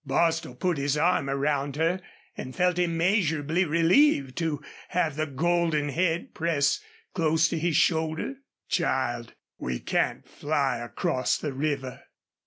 Bostil put his arm around her and felt immeasurably relieved to have the golden head press close to his shoulder. "Child, we can't fly acrost the river.